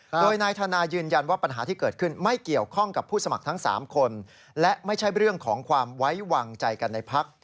โดยนายธนายืนยันว่าปัญหาที่เกิดขึ้นไม่เกี่ยวข้องกับผู้สมัครทั้ง๓คนและไม่ใช่เรื่องของความไว้วางใจกันในพัก